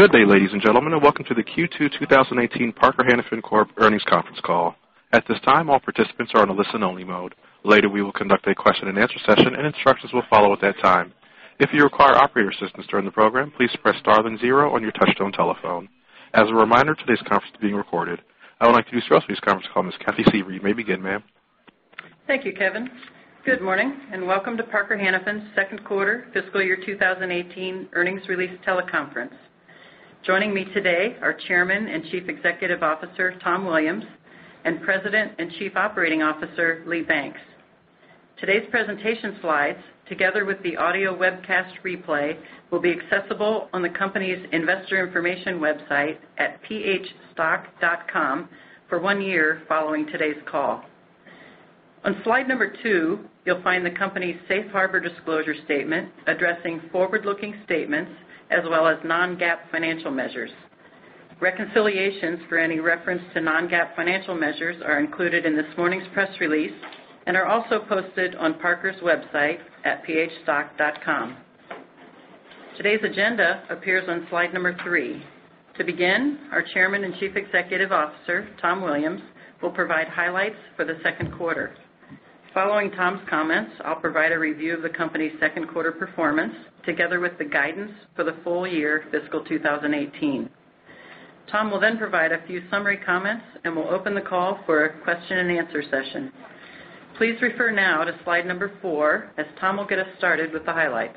Good day, ladies and gentlemen, welcome to the Q2 2018 Parker-Hannifin Corp earnings conference call. At this time, all participants are on a listen only mode. Later, we will conduct a question and answer session and instructions will follow at that time. If you require operator assistance during the program, please press star then zero on your touchtone telephone. As a reminder, today's conference is being recorded. I would like to introduce for this conference call, Ms. Cathy Suever. You may begin, ma'am. Thank you, Kevin. Good morning, welcome to Parker-Hannifin's second quarter fiscal year 2018 earnings release teleconference. Joining me today are Chairman and Chief Executive Officer, Tom Williams, and President and Chief Operating Officer, Lee Banks. Today's presentation slides, together with the audio webcast replay, will be accessible on the company's investor information website at phstock.com for one year following today's call. On slide number two, you'll find the company's safe harbor disclosure statement addressing forward-looking statements as well as non-GAAP financial measures. Reconciliations for any reference to non-GAAP financial measures are included in this morning's press release and are also posted on Parker's website at phstock.com. Today's agenda appears on slide number three. To begin, our Chairman and Chief Executive Officer, Tom Williams, will provide highlights for the second quarter. Following Tom's comments, I'll provide a review of the company's second quarter performance, together with the guidance for the full year fiscal 2018. Tom will provide a few summary comments and will open the call for a question and answer session. Please refer now to slide number four as Tom will get us started with the highlights.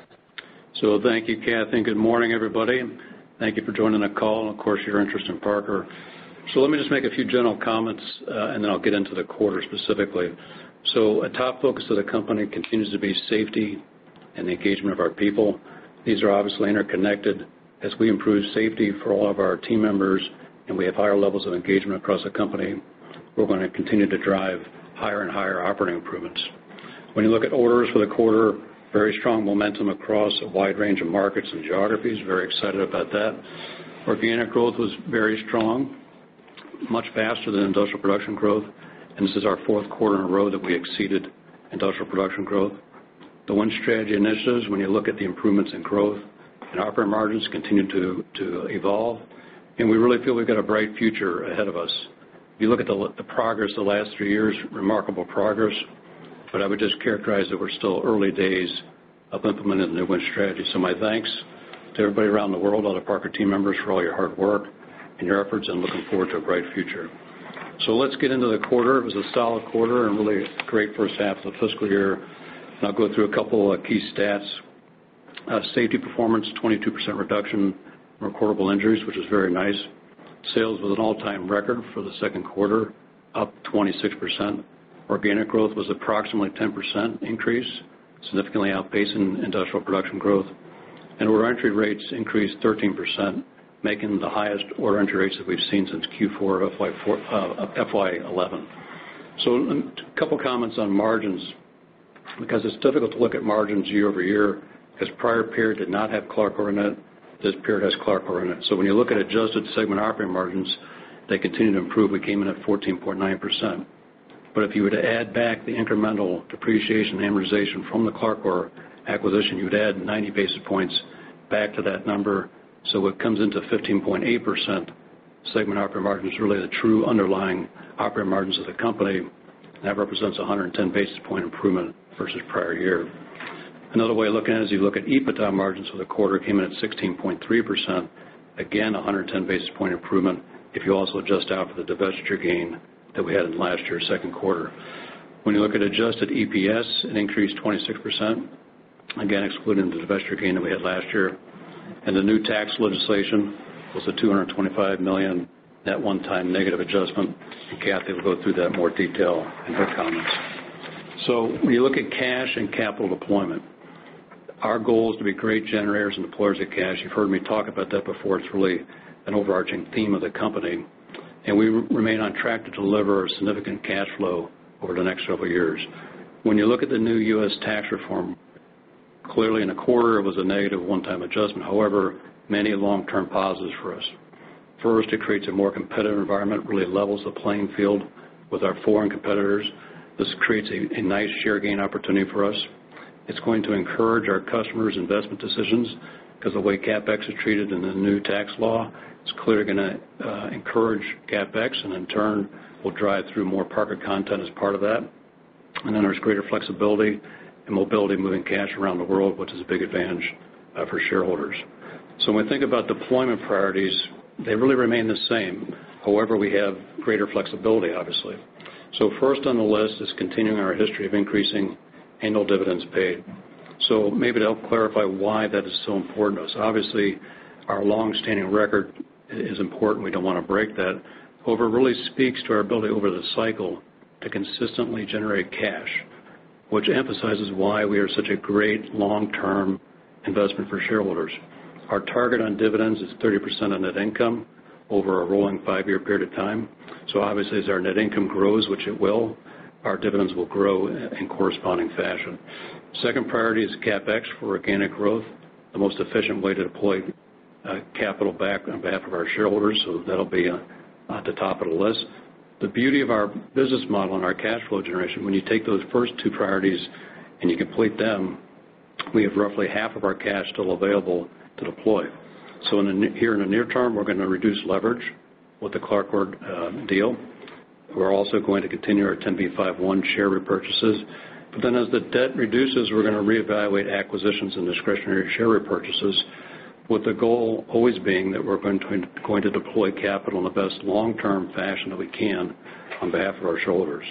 Thank you, Cathy, good morning, everybody. Thank you for joining the call and, of course, your interest in Parker. Let me just make a few general comments, I'll get into the quarter specifically. A top focus of the company continues to be safety and the engagement of our people. These are obviously interconnected. As we improve safety for all of our team members and we have higher levels of engagement across the company, we're going to continue to drive higher and higher operating improvements. When you look at orders for the quarter, very strong momentum across a wide range of markets and geographies. Very excited about that. Organic growth was very strong, much faster than industrial production growth, this is our fourth quarter in a row that we exceeded industrial production growth. The Win Strategy initiatives, when you look at the improvements in growth and operating margins, continue to evolve, and we really feel we've got a bright future ahead of us. If you look at the progress the last three years, remarkable progress, but I would just characterize that we're still early days of implementing the new Win Strategy. My thanks to everybody around the world, all the Parker team members, for all your hard work and your efforts. I'm looking forward to a bright future. Let's get into the quarter. It was a solid quarter and really a great first half of the fiscal year. I'll go through a couple of key stats. Safety performance, 22% reduction from recordable injuries, which is very nice. Sales was an all-time record for the second quarter, up 26%. Organic growth was approximately 10% increase, significantly outpacing industrial production growth. Order entry rates increased 13%, making the highest order entry rates that we've seen since Q4 of FY 2011. A couple of comments on margins, because it's difficult to look at margins year-over-year, because prior period did not have CLARCOR in it. This period has CLARCOR in it. When you look at adjusted segment operating margins, they continue to improve. We came in at 14.9%. If you were to add back the incremental depreciation and amortization from the CLARCOR acquisition, you'd add 90 basis points back to that number. It comes into 15.8% segment operating margins, really the true underlying operating margins of the company. That represents 110 basis point improvement versus prior year. Another way of looking at it is you look at EBITDA margins for the quarter, came in at 16.3%. Again, 110 basis point improvement if you also adjust out for the divestiture gain that we had in last year's second quarter. When you look at adjusted EPS, it increased 26%, again, excluding the divestiture gain that we had last year. The new tax legislation was a $225 million net one-time negative adjustment, and Cathy will go through that in more detail in her comments. When you look at cash and capital deployment, our goal is to be great generators and deployers of cash. You've heard me talk about that before. It's really an overarching theme of the company, and we remain on track to deliver a significant cash flow over the next several years. When you look at the new U.S. tax reform, clearly in the quarter, it was a negative one-time adjustment. However, many long-term positives for us. First, it creates a more competitive environment, really levels the playing field with our foreign competitors. This creates a nice share gain opportunity for us. It's going to encourage our customers' investment decisions because the way CapEx is treated in the new tax law, it's clearly going to encourage CapEx, and in turn, will drive through more Parker content as part of that. Then there's greater flexibility and mobility moving cash around the world, which is a big advantage for shareholders. When we think about deployment priorities, they really remain the same. However, we have greater flexibility, obviously. First on the list is continuing our history of increasing annual dividends paid. Maybe to help clarify why that is so important to us, obviously, our long-standing record is important. We don't want to break that. It really speaks to our ability over the cycle to consistently generate cash, which emphasizes why we are such a great long-term investment for shareholders. Our target on dividends is 30% of net income over a rolling five-year period of time. Obviously, as our net income grows, which it will, our dividends will grow in corresponding fashion. Second priority is CapEx for organic growth, the most efficient way to deploy capital back on behalf of our shareholders. That'll be at the top of the list. The beauty of our business model and our cash flow generation, when you take those first two priorities and you complete them, we have roughly half of our cash still available to deploy. Here in the near term, we're going to reduce leverage with the CLARCOR deal. We're also going to continue our 10B5-1 share repurchases. As the debt reduces, we're going to reevaluate acquisitions and discretionary share repurchases with the goal always being that we're going to deploy capital in the best long-term fashion that we can on behalf of our shareholders.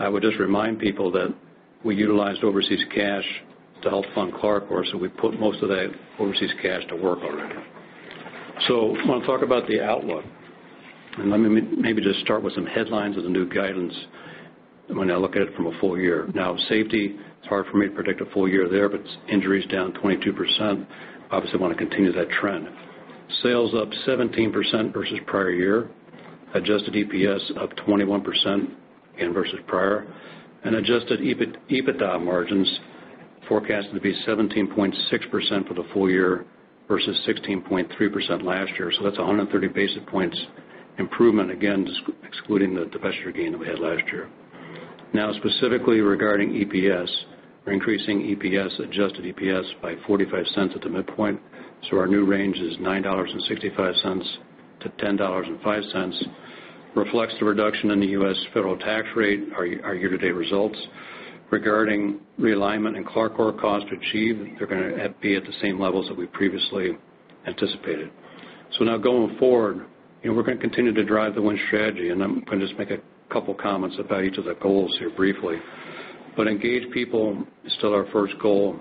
I would just remind people that we utilized overseas cash to help fund CLARCOR, so we put most of that overseas cash to work already. I want to talk about the outlook, and let me maybe just start with some headlines of the new guidance when I look at it from a full year. Now, safety, it's hard for me to predict a full year there, but injury is down 22%. Obviously, want to continue that trend. Sales up 17% versus prior year. Adjusted EPS up 21% again versus prior. Adjusted EBITDA margins forecasted to be 17.6% for the full year versus 16.3% last year. That's 130 basis points improvement, again, excluding the divestiture gain that we had last year. Now, specifically regarding EPS, we're increasing EPS, adjusted EPS, by $0.45 at the midpoint. Our new range is $9.65 to $10.05. Reflects the reduction in the U.S. federal tax rate, our year-to-date results. Regarding realignment and CLARCOR cost to achieve, they're going to be at the same levels that we previously anticipated. Now going forward, we're going to continue to drive the Win Strategy, and I'm going to just make a couple comments about each of the goals here briefly. Engage people is still our first goal.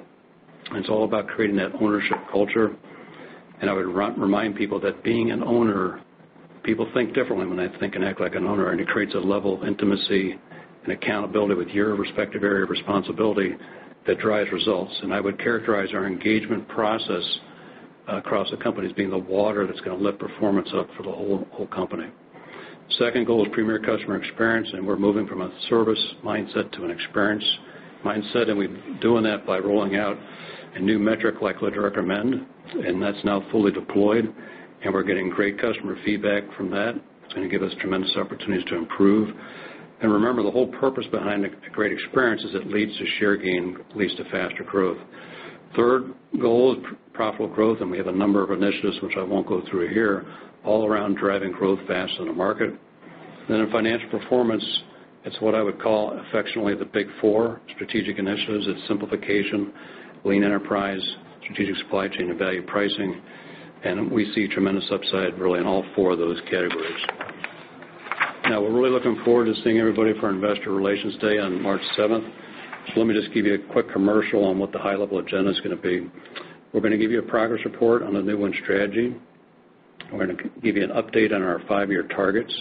It's all about creating that ownership culture. I would remind people that being an owner, people think differently when they think and act like an owner, and it creates a level of intimacy and accountability with your respective area of responsibility that drives results. I would characterize our engagement process across the company as being the water that's going to lift performance up for the whole company. Second goal is premier customer experience, and we're moving from a service mindset to an experience mindset, and we're doing that by rolling out a new metric, likelihood to recommend, and that's now fully deployed, and we're getting great customer feedback from that. It's going to give us tremendous opportunities to improve. Remember, the whole purpose behind a great experience is it leads to share gain, leads to faster growth. Third goal is profitable growth, we have a number of initiatives, which I won't go through here, all around driving growth faster than the market. In financial performance, it's what I would call affectionately the Big Four strategic initiatives. It's Simplification, Lean Enterprise, Strategic Supply Chain, and Value Pricing. We see tremendous upside, really, in all four of those categories. We're really looking forward to seeing everybody for our Investor Relations Day on March 7th. Let me just give you a quick commercial on what the high-level agenda is going to be. We're going to give you a progress report on the new Win Strategy. We're going to give you an update on our five-year targets.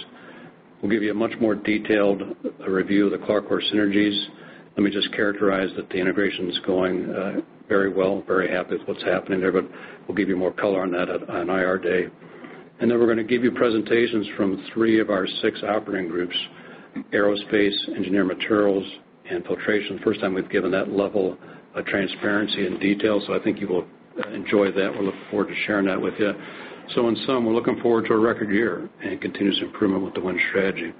We'll give you a much more detailed review of the CLARCOR synergies. Let me just characterize that the integration's going very well. Very happy with what's happening there, we'll give you more color on that on IR Day. We're going to give you presentations from three of our six operating groups, Aerospace, Engineered Materials, and Filtration. First time we've given that level of transparency and detail, I think you will enjoy that. We'll look forward to sharing that with you. In sum, we're looking forward to a record year and continuous improvement with the Win Strategy.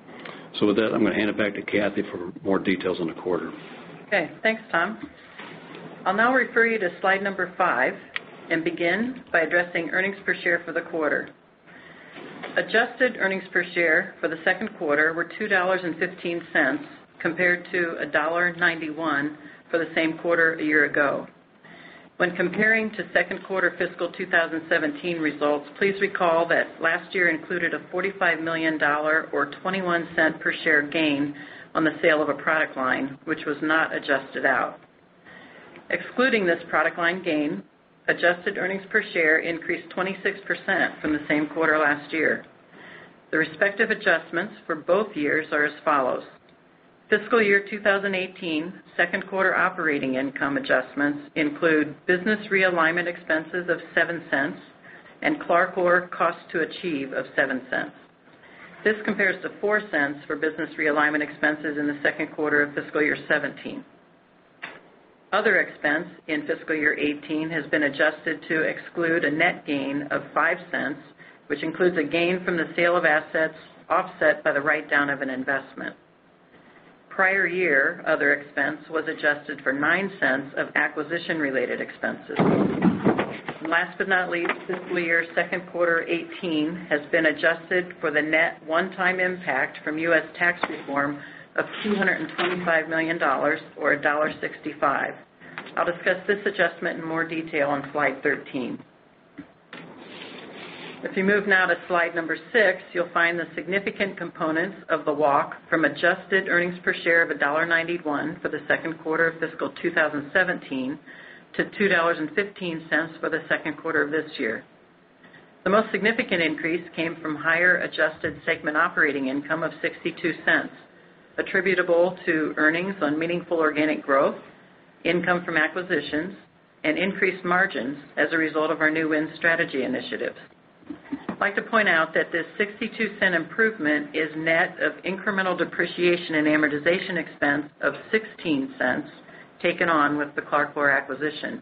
With that, I'm going to hand it back to Cathy for more details on the quarter. Okay. Thanks, Tom. I'll now refer you to slide number five and begin by addressing earnings per share for the quarter. Adjusted earnings per share for the second quarter were $2.15 compared to $1.91 for the same quarter a year ago. When comparing to second quarter fiscal 2017 results, please recall that last year included a $45 million or $0.21 per share gain on the sale of a product line, which was not adjusted out. Excluding this product line gain, adjusted earnings per share increased 26% from the same quarter last year. The respective adjustments for both years are as follows. Fiscal year 2018 second quarter operating income adjustments include business realignment expenses of $0.07 and CLARCOR cost to achieve of $0.07. This compares to $0.04 for business realignment expenses in the second quarter of fiscal year 2017. Other expense in fiscal year 2018 has been adjusted to exclude a net gain of $0.05, which includes a gain from the sale of assets offset by the write-down of an investment. Prior year other expense was adjusted for $0.09 of acquisition-related expenses. Last but not least, fiscal year second quarter 2018 has been adjusted for the net one-time impact from U.S. tax reform of $225 million or $1.65. I'll discuss this adjustment in more detail on slide 13. If you move now to slide number six, you'll find the significant components of the walk from adjusted earnings per share of $1.91 for the second quarter of fiscal 2017 to $2.15 for the second quarter of this year. The most significant increase came from higher adjusted segment operating income of $0.62 attributable to earnings on meaningful organic growth, income from acquisitions, and increased margins as a result of our new Win Strategy initiatives. I'd like to point out that this $0.62 improvement is net of incremental depreciation and amortization expense of $0.16 taken on with the CLARCOR acquisition.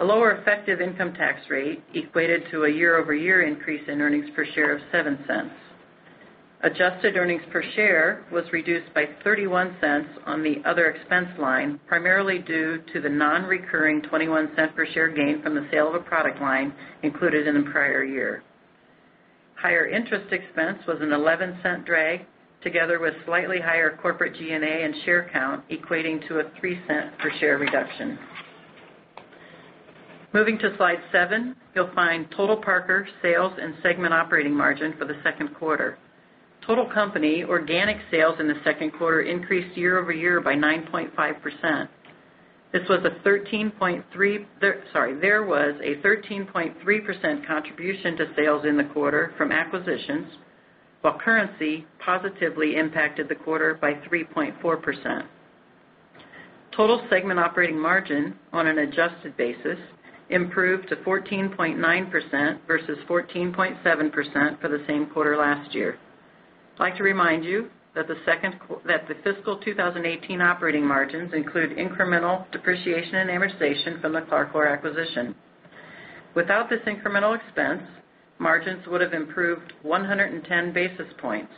A lower effective income tax rate equated to a year-over-year increase in earnings per share of $0.07. Adjusted earnings per share was reduced by $0.31 on the other expense line, primarily due to the non-recurring $0.21 per share gain from the sale of a product line included in the prior year. Higher interest expense was an $0.11 drag, together with slightly higher corporate G&A and share count, equating to a $0.03 per share reduction. Moving to slide seven, you'll find total Parker sales and segment operating margin for the second quarter. Total company organic sales in the second quarter increased year-over-year by 9.5%. There was a 13.3% contribution to sales in the quarter from acquisitions, while currency positively impacted the quarter by 3.4%. Total segment operating margin, on an adjusted basis, improved to 14.9% versus 14.7% for the same quarter last year. I'd like to remind you that the fiscal 2018 operating margins include incremental depreciation and amortization from the CLARCOR acquisition. Without this incremental expense, margins would have improved 110 basis points.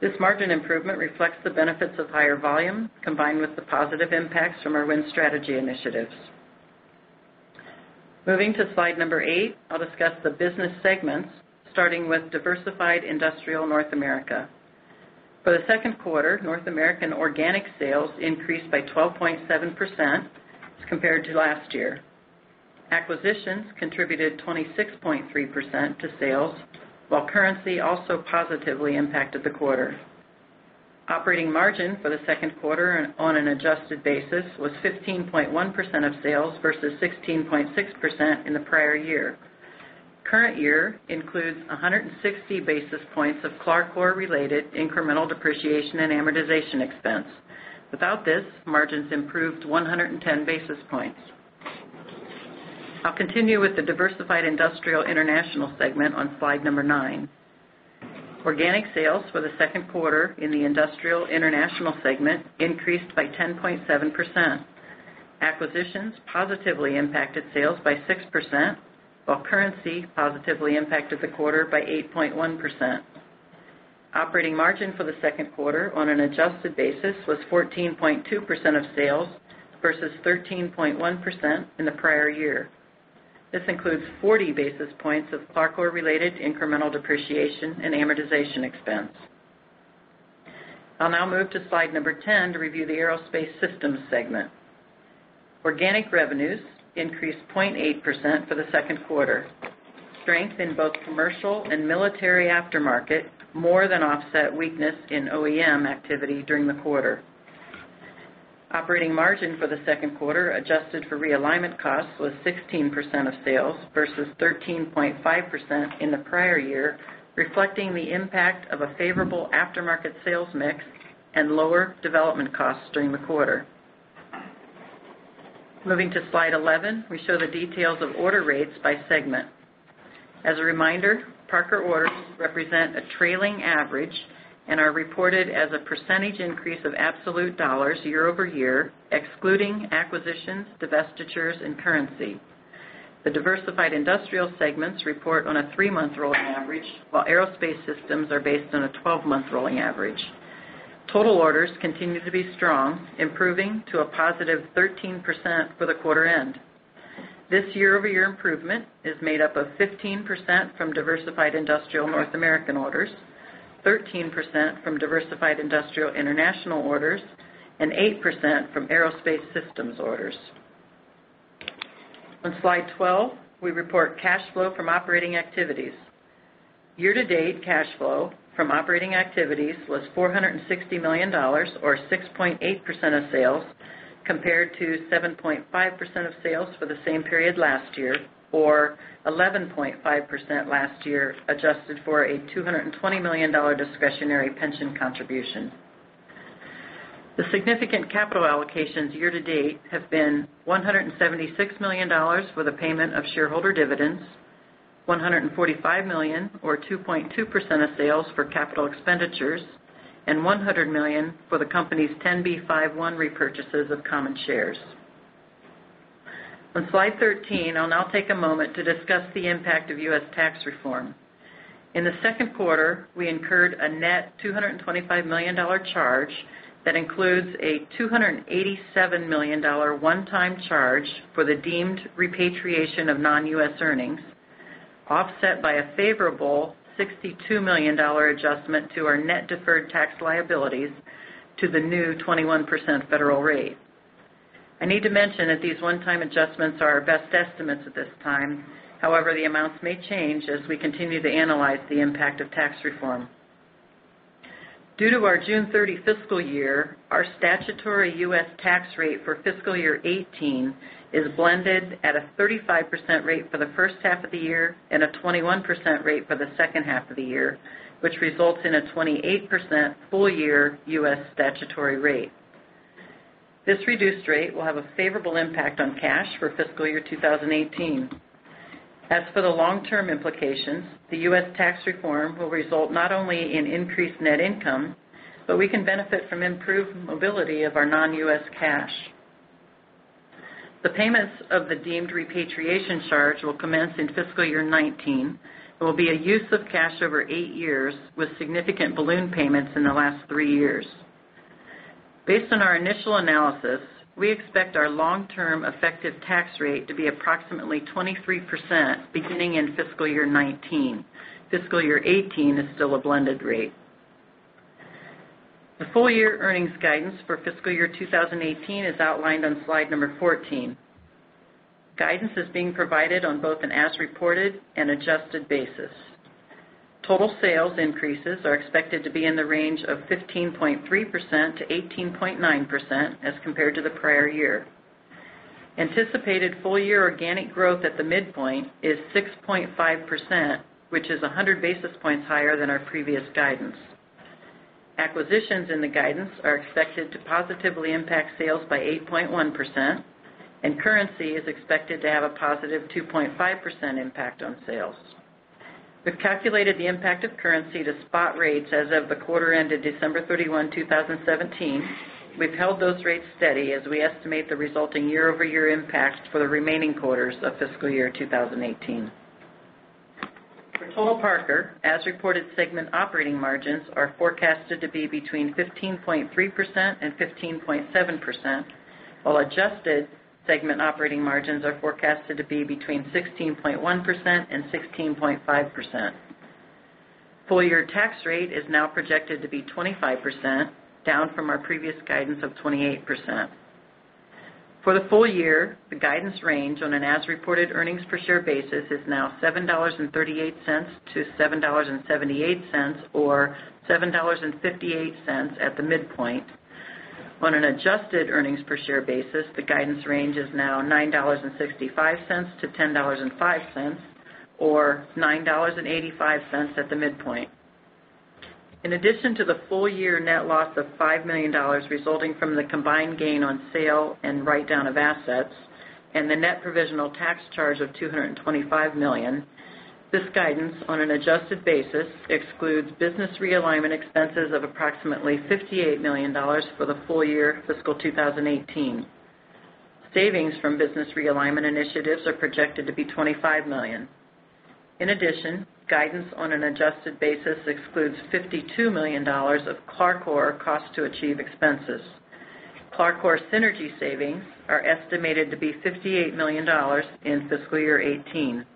This margin improvement reflects the benefits of higher volume, combined with the positive impacts from our Win Strategy initiatives. Moving to slide number eight, I'll discuss the business segments, starting with Diversified Industrial North America. For the second quarter, North American organic sales increased by 12.7% as compared to last year. Acquisitions contributed 26.3% to sales, while currency also positively impacted the quarter. Operating margin for the second quarter, on an adjusted basis, was 15.1% of sales versus 16.6% in the prior year. Current year includes 160 basis points of CLARCOR-related incremental depreciation and amortization expense. Without this, margins improved 110 basis points. I'll continue with the Diversified Industrial International segment on slide number nine. Organic sales for the second quarter in the Industrial International segment increased by 10.7%. Acquisitions positively impacted sales by 6%, while currency positively impacted the quarter by 8.1%. Operating margin for the second quarter on an adjusted basis was 14.2% of sales versus 13.1% in the prior year. This includes 40 basis points of CLARCOR-related incremental depreciation and amortization expense. I'll now move to slide number 10 to review the Aerospace Systems segment. Organic revenues increased 0.8% for the second quarter. Strength in both commercial and military aftermarket more than offset weakness in OEM activity during the quarter. Operating margin for the second quarter, adjusted for realignment costs, was 16% of sales versus 13.5% in the prior year, reflecting the impact of a favorable aftermarket sales mix and lower development costs during the quarter. Moving to slide 11, we show the details of order rates by segment. As a reminder, Parker orders represent a trailing average and are reported as a percentage increase of absolute dollars year-over-year, excluding acquisitions, divestitures, and currency. The Diversified Industrial segments report on a three-month rolling average, while Aerospace Systems are based on a 12-month rolling average. Total orders continue to be strong, improving to a positive 13% for the quarter end. This year-over-year improvement is made up of 15% from Diversified Industrial North America orders, 13% from Diversified Industrial International orders, and 8% from Aerospace Systems orders. On slide 12, we report cash flow from operating activities. Year-to-date cash flow from operating activities was $460 million, or 6.8% of sales, compared to 7.5% of sales for the same period last year, or 11.5% last year, adjusted for a $220 million discretionary pension contribution. The significant capital allocations year-to-date have been $176 million for the payment of shareholder dividends, $145 million or 2.2% of sales for capital expenditures, and $100 million for the company's 10B5-1 repurchases of common shares. On slide 13, I'll now take a moment to discuss the impact of U.S. tax reform. In the second quarter, we incurred a net $225 million charge that includes a $287 million one-time charge for the deemed repatriation of non-U.S. earnings, offset by a favorable $62 million adjustment to our net deferred tax liabilities to the new 21% federal rate. I need to mention that these one-time adjustments are our best estimates at this time. However, the amounts may change as we continue to analyze the impact of tax reform. Due to our June 30 fiscal year, our statutory U.S. tax rate for fiscal year 2018 is blended at a 35% rate for the first half of the year and a 21% rate for the second half of the year, which results in a 28% full-year U.S. statutory rate. This reduced rate will have a favorable impact on cash for fiscal year 2018. As for the long-term implications, the U.S. tax reform will result not only in increased net income, but we can benefit from improved mobility of our non-U.S. cash. The payments of the deemed repatriation charge will commence in fiscal year 2019. There will be a use of cash over eight years, with significant balloon payments in the last three years. Based on our initial analysis, we expect our long-term effective tax rate to be approximately 23% beginning in fiscal year 2019. Fiscal year 2018 is still a blended rate. The full year earnings guidance for fiscal year 2018 is outlined on slide number 14. Guidance is being provided on both an as reported and adjusted basis. Total sales increases are expected to be in the range of 15.3%-18.9% as compared to the prior year. Anticipated full year organic growth at the midpoint is 6.5%, which is 100 basis points higher than our previous guidance. Acquisitions in the guidance are expected to positively impact sales by 8.1%, and currency is expected to have a positive 2.5% impact on sales. We've calculated the impact of currency to spot rates as of the quarter ended December 31, 2017. We've held those rates steady as we estimate the resulting year-over-year impact for the remaining quarters of fiscal year 2018. For total Parker, as reported segment operating margins are forecasted to be between 15.3% and 15.7%, while adjusted segment operating margins are forecasted to be between 16.1% and 16.5%. Full year tax rate is now projected to be 25%, down from our previous guidance of 28%. For the full year, the guidance range on an as reported earnings per share basis is now $7.38-$7.78, or $7.58 at the midpoint. On an adjusted earnings per share basis, the guidance range is now $9.65-$10.05, or $9.85 at the midpoint. In addition to the full year net loss of $5 million resulting from the combined gain on sale and write-down of assets, and the net provisional tax charge of $225 million, this guidance on an adjusted basis excludes business realignment expenses of approximately $58 million for the full year FY 2018. Savings from business realignment initiatives are projected to be $25 million. In addition, guidance on an adjusted basis excludes $52 million of CLARCOR cost to achieve expenses. CLARCOR synergy savings are estimated to be $58 million in FY 2018.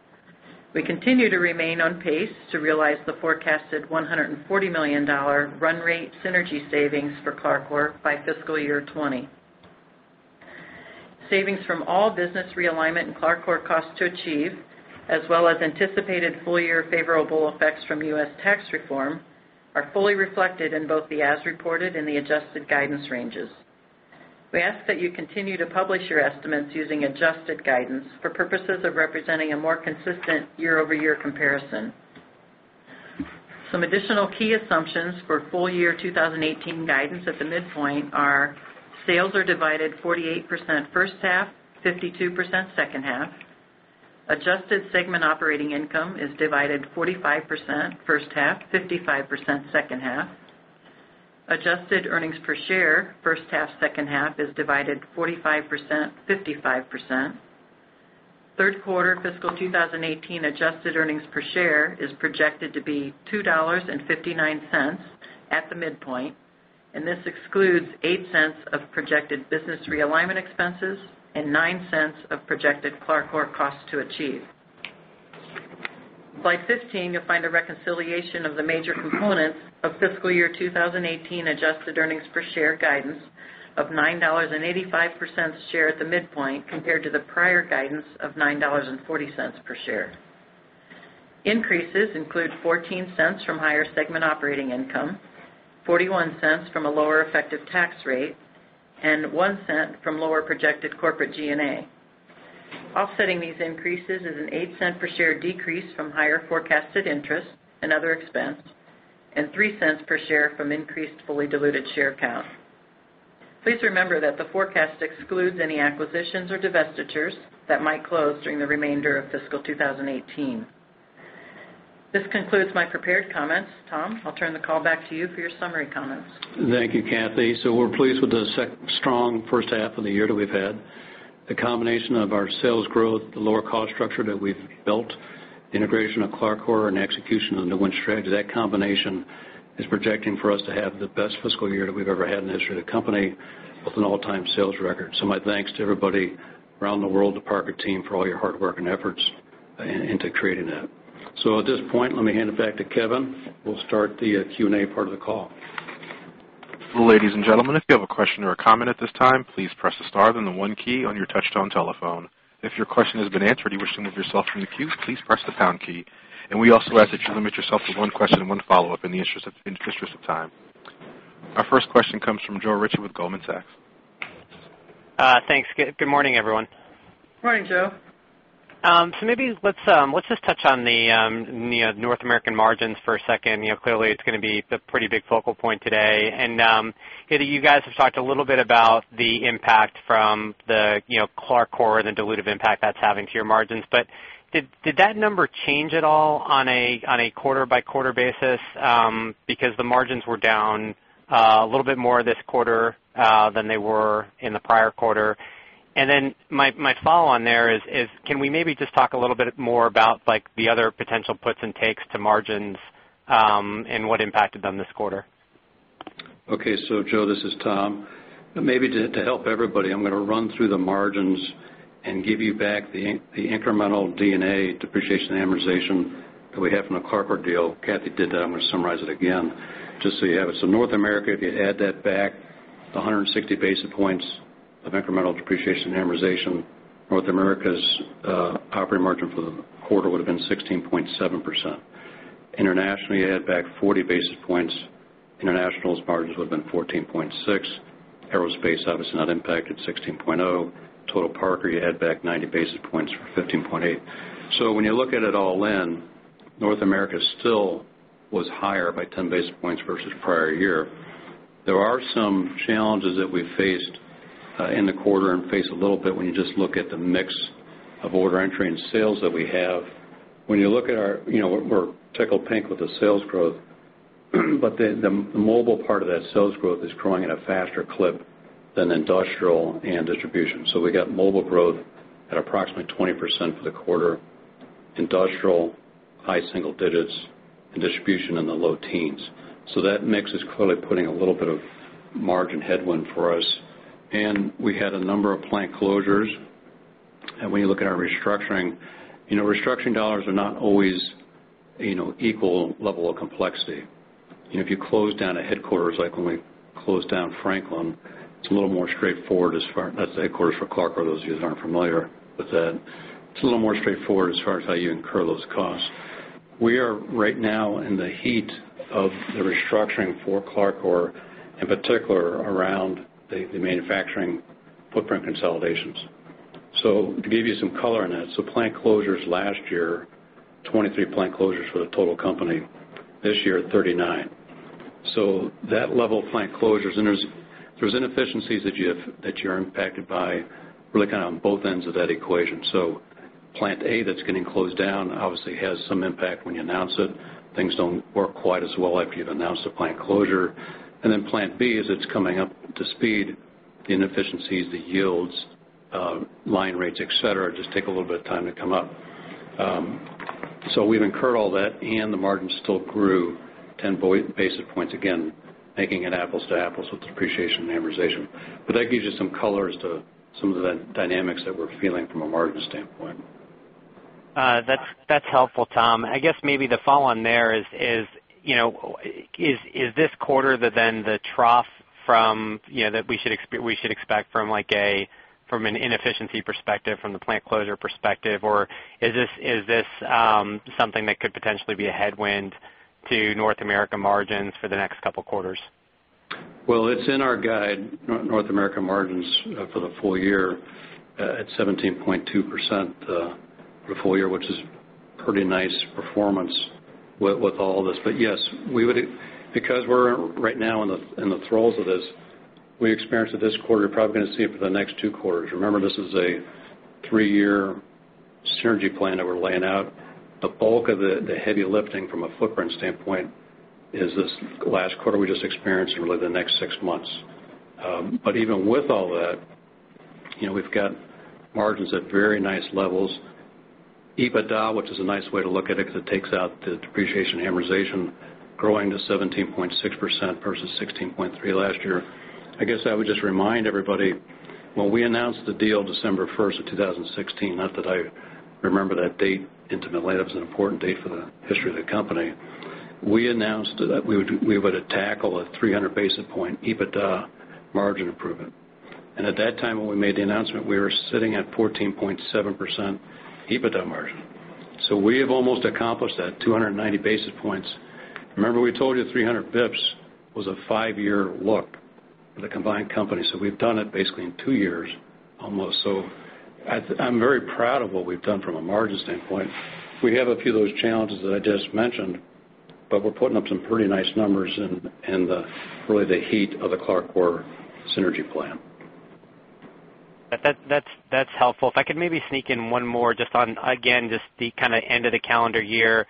We continue to remain on pace to realize the forecasted $140 million run rate synergy savings for CLARCOR by FY 2020. Savings from all business realignment and CLARCOR cost to achieve, as well as anticipated full year favorable effects from U.S. tax reform, are fully reflected in both the as reported and the adjusted guidance ranges. We ask that you continue to publish your estimates using adjusted guidance for purposes of representing a more consistent year-over-year comparison. Some additional key assumptions for full year FY 2018 guidance at the midpoint are: sales are divided 48% first half, 52% second half. Adjusted segment operating income is divided 45% first half, 55% second half. Adjusted earnings per share, first half, second half is divided 45%, 55%. Third quarter FY 2018 adjusted earnings per share is projected to be $2.59 at the midpoint, this excludes $0.08 of projected business realignment expenses and $0.09 of projected CLARCOR cost to achieve. Slide 15, you will find a reconciliation of the major components of FY 2018 adjusted earnings per share guidance of $9.85 per share at the midpoint compared to the prior guidance of $9.40 per share. Increases include $0.14 from higher segment operating income, $0.41 from a lower effective tax rate, and $0.01 from lower projected corporate G&A. Offsetting these increases is an $0.08 per share decrease from higher forecasted interest and other expense, and $0.03 per share from increased fully diluted share count. Please remember that the forecast excludes any acquisitions or divestitures that might close during the remainder of FY 2018. This concludes my prepared comments. Tom, I will turn the call back to you for your summary comments. Thank you, Cathy. We're pleased with the strong first half of the year that we've had. The combination of our sales growth, the lower cost structure that we've built, the integration of CLARCOR and execution of the new Win Strategy, that combination is projecting for us to have the best fiscal year that we've ever had in the history of the company, with an all-time sales record. My thanks to everybody around the world, the Parker team, for all your hard work and efforts into creating that. At this point, let me hand it back to Kevin, who will start the Q&A part of the call. Ladies and gentlemen, if you have a question or a comment at this time, please press the star then the one key on your touchtone telephone. If your question has been answered and you wish to remove yourself from the queue, please press the pound key. We also ask that you limit yourself to one question and one follow-up in the interest of time. Our first question comes from Joe Ritchie with Goldman Sachs. Thanks. Good morning, everyone. Morning, Joe. Maybe let's just touch on the North American margins for a second. Clearly, it's going to be the pretty big focal point today. You guys have talked a little bit about the impact from CLARCOR and the dilutive impact that's having to your margins, but did that number change at all on a quarter-by-quarter basis? The margins were down a little bit more this quarter than they were in the prior quarter. My follow-on there is, can we maybe just talk a little bit more about the other potential puts and takes to margins, and what impacted them this quarter? Okay, Joe, this is Tom. Maybe to help everybody, I'm going to run through the margins and give you back the incremental D&A, depreciation and amortization, that we have from the CLARCOR deal. Cathy did that, I'm going to summarize it again just so you have it. North America, if you add that back 160 basis points of incremental depreciation and amortization, North America's operating margin for the quarter would've been 16.7%. Internationally, you add back 40 basis points, International's margins would've been 14.6%. Aerospace, obviously not impacted, 16.0%. Total Parker, you add back 90 basis points for 15.8%. When you look at it all in, North America still was higher by 10 basis points versus prior year. There are some challenges that we faced in the quarter and face a little bit when you just look at the mix of order entry and sales that we have. We're tickled pink with the sales growth, the mobile part of that sales growth is growing at a faster clip than industrial and distribution. We got mobile growth at approximately 20% for the quarter, industrial high single digits, and distribution in the low teens. That mix is clearly putting a little bit of margin headwind for us. We had a number of plant closures. When you look at our restructuring dollars are not always equal level of complexity. If you close down a headquarters, like when we closed down Franklin, it's a little more straightforward. That's the headquarters for CLARCOR, those of you who aren't familiar with that. It's a little more straightforward as far as how you incur those costs. We are right now in the heat of the restructuring for CLARCOR, in particular, around the manufacturing footprint consolidations. To give you some color on that, plant closures last year, 23 plant closures for the total company. This year, 39. That level of plant closures, and there's inefficiencies that you're impacted by really on both ends of that equation. Plant A that's getting closed down obviously has some impact when you announce it. Things don't work quite as well after you've announced a plant closure. Plant B, as it's coming up to speed, the inefficiencies, the yields, line rates, et cetera, just take a little bit of time to come up. We've incurred all that and the margin still grew 10 basis points, again, making it apples to apples with depreciation and amortization. That gives you some color as to some of the dynamics that we're feeling from a margin standpoint. That's helpful, Tom. I guess maybe the follow on there is this quarter the trough that we should expect from an inefficiency perspective, from the plant closure perspective, or is this something that could potentially be a headwind to North America margins for the next couple quarters? Well, it's in our guide, North America margins for the full year at 17.2% for the full year, which is pretty nice performance with all this. Yes, because we're right now in the throes of this, we experienced it this quarter, probably going to see it for the next two quarters. Remember, this is a three-year synergy plan that we're laying out. The bulk of the heavy lifting from a footprint standpoint is this last quarter we just experienced, and really the next six months. Even with all that, we've got margins at very nice levels. EBITDA, which is a nice way to look at it, because it takes out the depreciation and amortization, growing to 17.6% versus 16.3% last year. I guess I would just remind everybody, when we announced the deal December 1st of 2016, not that I remember that date intimately, that was an important date for the history of the company. We announced that we would tackle a 300 basis point EBITDA margin improvement. At that time when we made the announcement, we were sitting at 14.7% EBITDA margin. We have almost accomplished that 290 basis points. Remember we told you 300 basis points was a five-year look for the combined company. We've done it basically in two years almost. I'm very proud of what we've done from a margin standpoint. We have a few of those challenges that I just mentioned, but we're putting up some pretty nice numbers in really the heat of the CLARCOR synergy plan. That's helpful. If I could maybe sneak in one more just on, again, just the kind of end of the calendar year.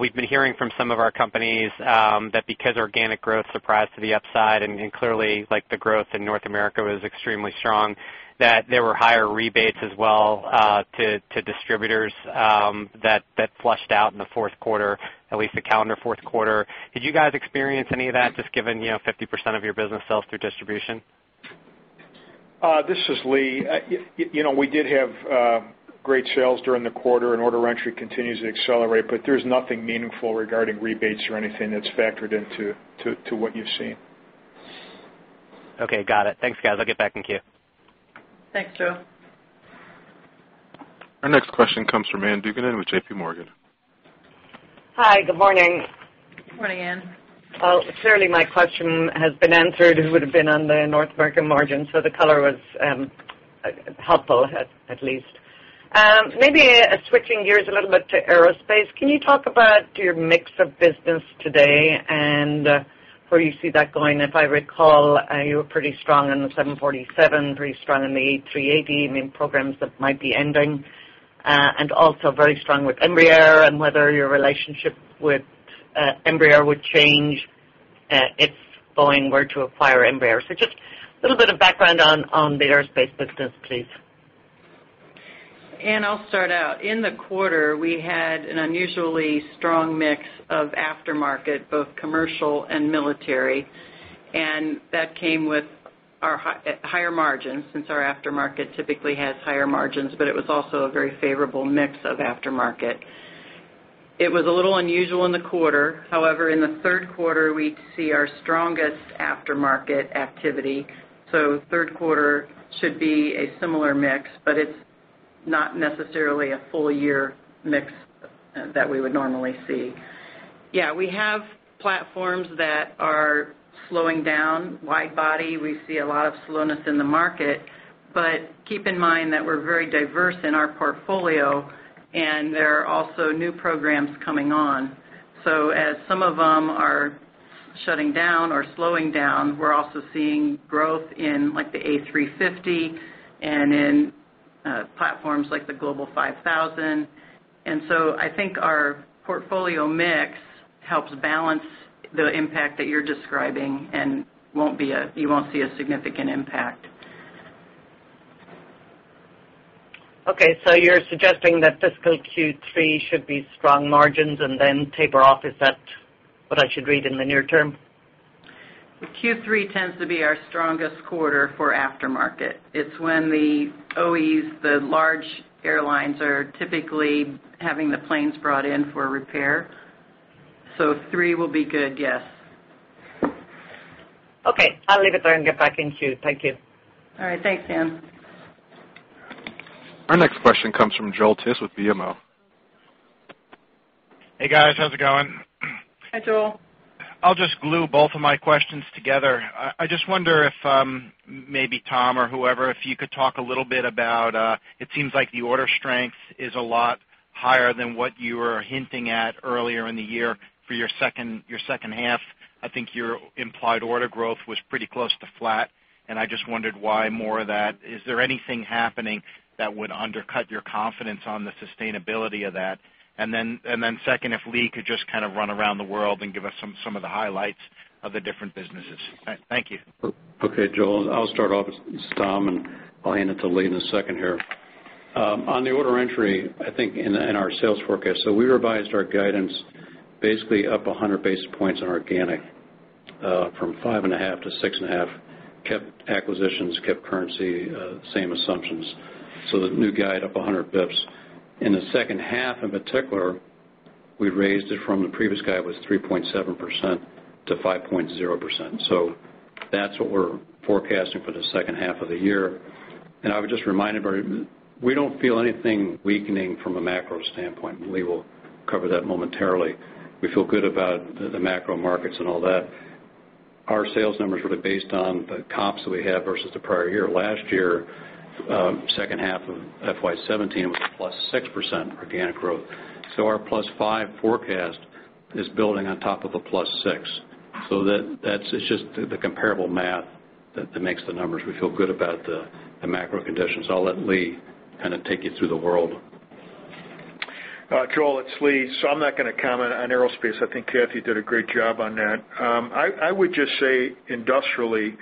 We've been hearing from some of our companies that because organic growth surprised to the upside, and clearly, the growth in North America was extremely strong, that there were higher rebates as well to distributors that flushed out in the fourth quarter, at least the calendar fourth quarter. Did you guys experience any of that, just given 50% of your business sells through distribution? This is Lee. We did have great sales during the quarter, and order entry continues to accelerate, there's nothing meaningful regarding rebates or anything that's factored into what you've seen. Okay, got it. Thanks, guys. I'll get back in queue. Thanks, Joe. Our next question comes from Ann Duignan in with JPMorgan. Hi, good morning. Good morning, Ann. Clearly my question has been answered, it would've been on the North American margin, the color was helpful at least. Maybe switching gears a little bit to aerospace, can you talk about your mix of business today and where you see that going? If I recall, you were pretty strong in the 747, pretty strong in the A380, programs that might be ending. Also very strong with Embraer and whether your relationship with Embraer would change, if Boeing were to acquire Embraer. Just a little bit of background on the aerospace business, please. Ann, I'll start out. In the quarter, we had an unusually strong mix of aftermarket, both commercial and military, and that came with higher margins since our aftermarket typically has higher margins, but it was also a very favorable mix of aftermarket. It was a little unusual in the quarter. However, in the third quarter, we see our strongest aftermarket activity. Third quarter should be a similar mix, but it's not necessarily a full year mix that we would normally see. We have platforms that are slowing down. Wide body, we see a lot of slowness in the market, but keep in mind that we're very diverse in our portfolio, and there are also new programs coming on. As some of them are shutting down or slowing down, we're also seeing growth in the A350 and in platforms like the Global 5000. I think our portfolio mix helps balance the impact that you're describing, and you won't see a significant impact. You're suggesting that fiscal Q3 should be strong margins and then taper off. Is that what I should read in the near term? Q3 tends to be our strongest quarter for aftermarket. It's when the OEs, the large airlines, are typically having the planes brought in for repair. Three will be good, yes. Okay. I'll leave it there and get back in queue. Thank you. All right. Thanks, Ann. Our next question comes from Joel Tiss with BMO. Hey, guys. How's it going? Hi, Joel. I'll just glue both of my questions together. I just wonder if, maybe Tom or whoever, if you could talk a little bit about, it seems like the order strength is a lot higher than what you were hinting at earlier in the year for your second half. I think your implied order growth was pretty close to flat, and I just wondered why more of that. Is there anything happening that would undercut your confidence on the sustainability of that? Then second, if Lee could just run around the world and give us some of the highlights of the different businesses. Thank you. Okay, Joel, I'll start off. This is Tom, and I'll hand it to Lee in a second here. On the order entry, I think in our sales forecast, we revised our guidance basically up 100 basis points on organic, from 5.5% to 6.5%. Kept acquisitions, kept currency, same assumptions. The new guide up 100 basis points. In the second half, in particular, we raised it from the previous guide was 3.7% to 5.0%. That's what we're forecasting for the second half of the year. I would just remind everybody, we don't feel anything weakening from a macro standpoint, and Lee will cover that momentarily. We feel good about the macro markets and all that. Our sales numbers were based on the comps that we have versus the prior year. Last year, second half of FY 2017 was a +6% organic growth. Our +5% forecast is building on top of a +6%. That's just the comparable math that makes the numbers. We feel good about the macro conditions. I'll let Lee take you through the world. Joel, it's Lee. I'm not going to comment on Aerospace. I think Cathy did a great job on that. I would just say industrially,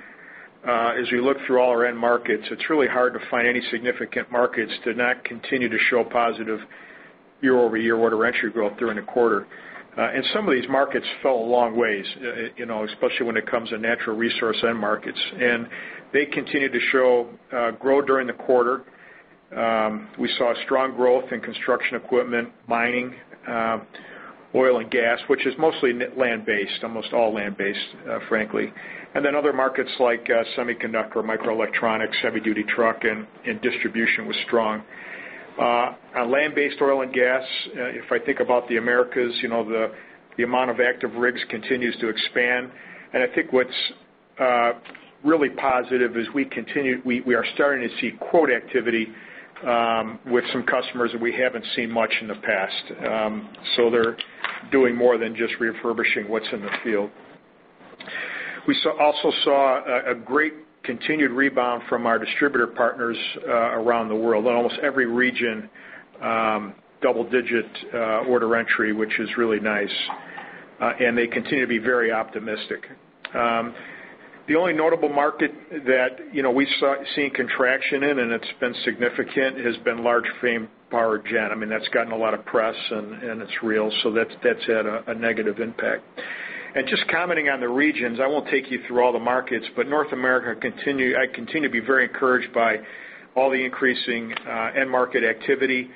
as we look through all our end markets, it's really hard to find any significant markets to not continue to show positive year-over-year order entry growth during the quarter. Some of these markets fell a long ways, especially when it comes to natural resource end markets. They continued to show growth during the quarter. We saw strong growth in construction equipment, mining, oil and gas, which is mostly land-based, almost all land-based, frankly. Other markets like semiconductor, microelectronics, heavy duty truck, and distribution was strong. On land-based oil and gas, if I think about the Americas, the amount of active rigs continues to expand. I think what's really positive is we are starting to see quote activity, with some customers that we haven't seen much in the past. They're doing more than just refurbishing what's in the field. We also saw a great continued rebound from our distributor partners around the world. In almost every region, double-digit order entry, which is really nice. They continue to be very optimistic. The only notable market that we've seen contraction in, and it's been significant, has been large frame power gen. That's gotten a lot of press, and it's real. That's had a negative impact. Just commenting on the regions, I won't take you through all the markets, North America, I continue to be very encouraged by all the increasing end market activity.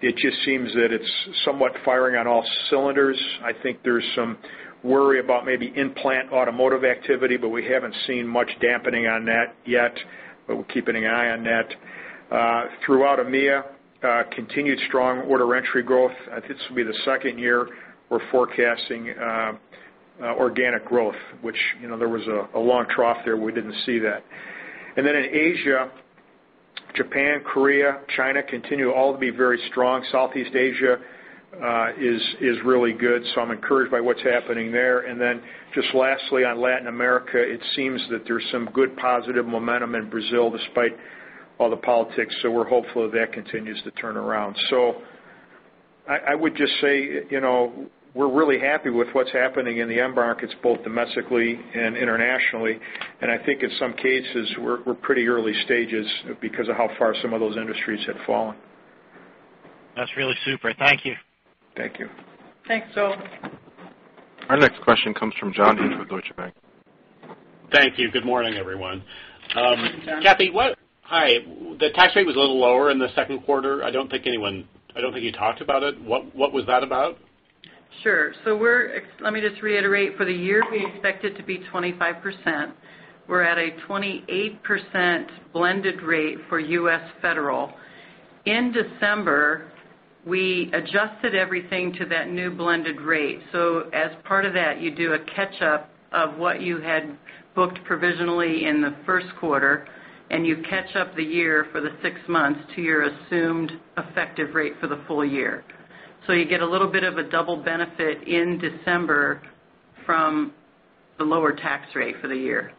It just seems that it's somewhat firing on all cylinders. I think there's some worry about maybe in-plant automotive activity, but we haven't seen much dampening on that yet. We're keeping an eye on that. Throughout EMEA, continued strong order entry growth. I think this will be the second year we're forecasting organic growth, which there was a long trough there, we didn't see that. In Asia, Japan, Korea, China continue all to be very strong. Southeast Asia is really good, I'm encouraged by what's happening there. Just lastly, on Latin America, it seems that there's some good positive momentum in Brazil despite all the politics. We're hopeful that continues to turn around. I would just say, we're really happy with what's happening in the end markets, both domestically and internationally. I think in some cases, we're pretty early stages because of how far some of those industries had fallen. That's really super. Thank you. Thank you. Thanks. Our next question comes from John Inch with Deutsche Bank. Thank you. Good morning, everyone. Good morning, John. Cathy, hi. The tax rate was a little lower in the second quarter. I don't think you talked about it. What was that about? Sure. Let me just reiterate, for the year, we expect it to be 25%. We're at a 28% blended rate for U.S. Federal. In December, we adjusted everything to that new blended rate. As part of that, you do a catch-up of what you had booked provisionally in the first quarter, and you catch up the year for the six months to your assumed effective rate for the full year. You get a little bit of a double benefit in December from the lower tax rate for the year.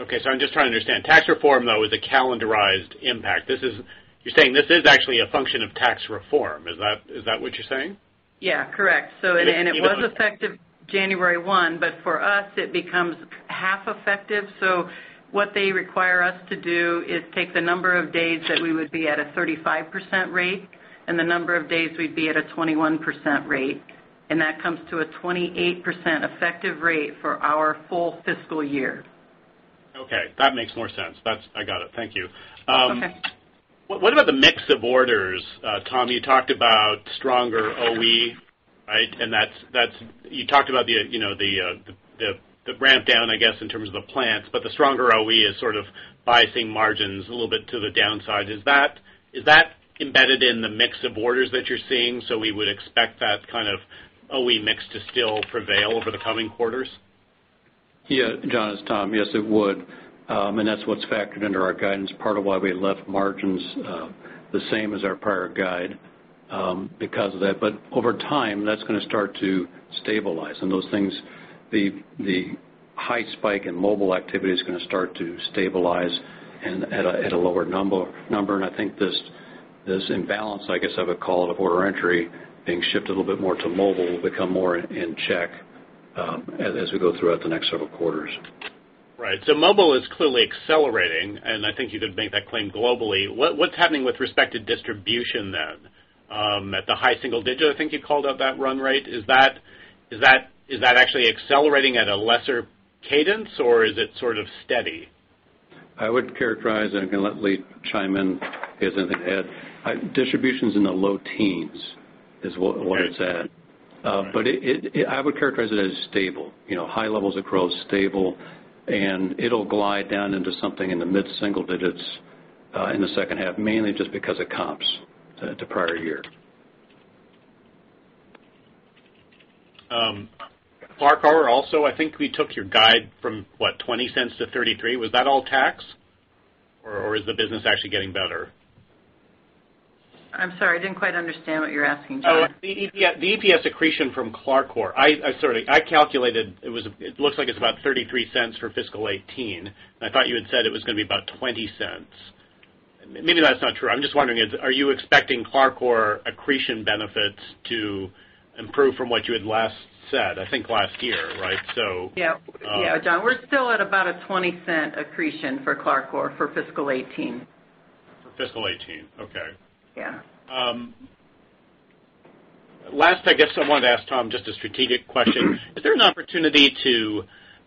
Okay. I'm just trying to understand. Tax reform, though, is a calendarized impact. You're saying this is actually a function of tax reform. Is that what you're saying? Yeah. Correct. It was effective January 1, for us, it becomes half effective. What they require us to do is take the number of days that we would be at a 35% rate and the number of days we'd be at a 21% rate. That comes to a 28% effective rate for our full fiscal year. Okay. That makes more sense. I got it. Thank you. Okay. What about the mix of orders, Tom? You talked about stronger OE, right? You talked about the ramp down, I guess, in terms of the plants, the stronger OE is sort of biasing margins a little bit to the downside. Is that embedded in the mix of orders that you're seeing, we would expect that kind of OE mix to still prevail over the coming quarters? Yeah, John, it's Tom. Yes, it would. That's what's factored into our guidance. Part of why we left margins the same as our prior guide, because of that. Over time, that's going to start to stabilize. Those things, the high spike in mobile activity is going to start to stabilize at a lower number. I think this imbalance, I guess I would call it, of order entry being shifted a little bit more to mobile, will become more in check, as we go throughout the next several quarters. Right. Mobile is clearly accelerating, and I think you could make that claim globally. What's happening with respect to distribution then? At the high single digit, I think you called out that run rate. Is that actually accelerating at a lesser cadence, or is it sort of steady? I would characterize it, I'm going to let Lee chime in, because I think he had-- Distribution's in the low teens, is where it's at. I would characterize it as stable. High levels of growth, stable, and it'll glide down into something in the mid-single digits, in the second half, mainly just because of comps to prior year. CLARCOR also, I think we took your guide from what, $0.20 to $0.33. Was that all tax, or is the business actually getting better? I'm sorry. I didn't quite understand what you're asking, John. The EPS accretion from CLARCOR. I calculated, it looks like it's about $0.33 for FY 2018, and I thought you had said it was going to be about $0.20. Maybe that's not true. I'm just wondering, are you expecting CLARCOR accretion benefits to improve from what you had last said, I think last year, right? John, we're still at about a $0.20 accretion for CLARCOR for FY 2018. For FY 2018. Yeah. Last, I guess I wanted to ask Tom just a strategic question. Is there an opportunity to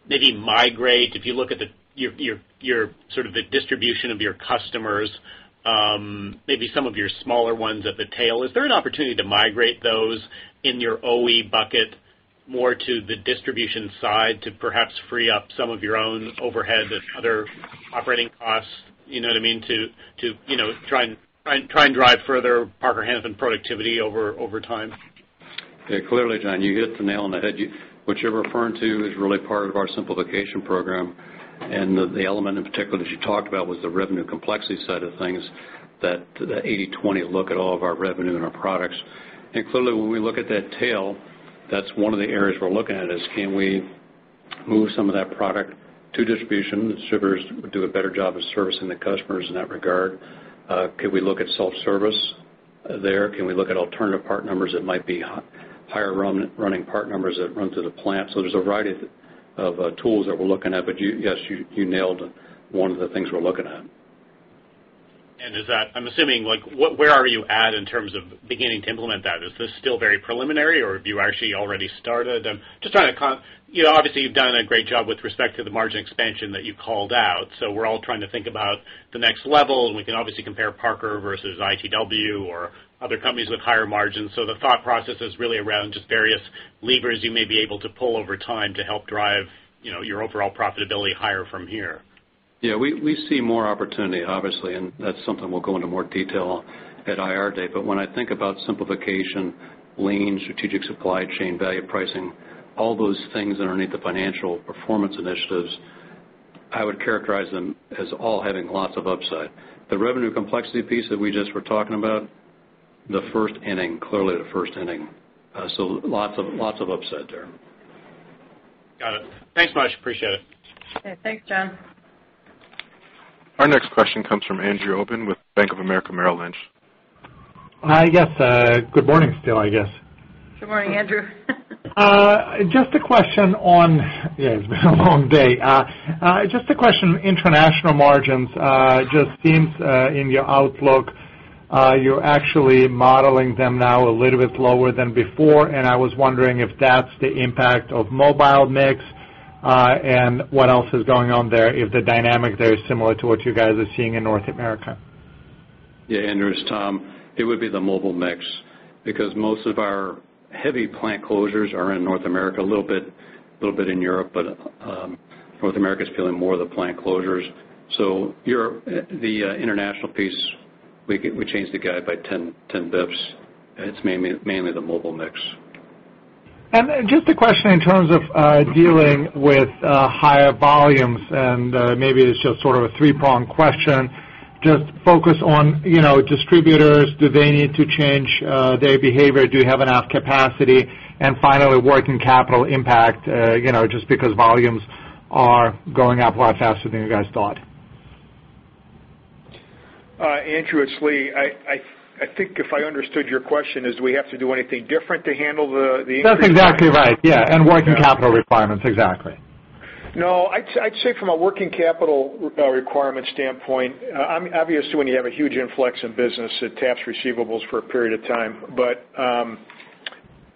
maybe migrate, if you look at sort of the distribution of your customers, maybe some of your smaller ones at the tail? Is there an opportunity to migrate those in your OE bucket more to the distribution side to perhaps free up some of your own overhead and other operating costs? You know what I mean? To try and drive further Parker-Hannifin productivity over time? Yeah. Clearly, John, you hit the nail on the head. What you're referring to is really part of our simplification program. The element in particular that you talked about was the revenue complexity side of things, that 80/20 look at all of our revenue and our products. Clearly, when we look at that tail, that's one of the areas we're looking at, is can we move some of that product to distribution? Distributors do a better job of servicing the customers in that regard. Could we look at self-service there? Can we look at alternative part numbers that might be higher running part numbers that run through the plant? There's a variety of tools that we're looking at. Yes, you nailed one of the things we're looking at. I'm assuming, where are you at in terms of beginning to implement that? Is this still very preliminary, or have you actually already started? Obviously, you've done a great job with respect to the margin expansion that you called out, we're all trying to think about the next level, and we can obviously compare Parker versus ITW or other companies with higher margins. The thought process is really around just various levers you may be able to pull over time to help drive your overall profitability higher from here. Yeah, we see more opportunity, obviously, that's something we'll go into more detail at IR day. When I think about simplification, lean, strategic supply chain, value pricing, all those things underneath the financial performance initiatives, I would characterize them as all having lots of upside. The revenue complexity piece that we just were talking about, the first inning, clearly the first inning. Lots of upside there. Got it. Thanks much. Appreciate it. Okay, thanks, John. Our next question comes from Andrew Obin with Bank of America Merrill Lynch. Yes, good morning still, I guess. Good morning, Andrew. Yes, it's been a long day. Just a question, international margins. Just seems in your outlook, you're actually modeling them now a little bit lower than before, and I was wondering if that's the impact of mobile mix, and what else is going on there, if the dynamic there is similar to what you guys are seeing in North America. Andrew, it's Tom. It would be the mobile mix, because most of our heavy plant closures are in North America, a little bit in Europe, but North America's feeling more of the plant closures. The international piece, we changed the guide by 10 bps. It's mainly the mobile mix. Just a question in terms of dealing with higher volumes, and maybe it's just sort of a three-pronged question. Just focus on distributors. Do they need to change their behavior? Do we have enough capacity? Finally, working capital impact, just because volumes are going up a lot faster than you guys thought. Andrew, it's Lee. I think if I understood your question, is do we have to do anything different to handle the increase. That's exactly right, yeah. Working capital requirements. Exactly. No, I'd say from a working capital requirement standpoint, obviously, when you have a huge influx in business, it taps receivables for a period of time.